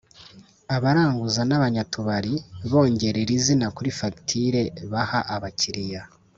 abaranguza n’abanyatubari bongera iri zina kuri Fagitire baha abakiriya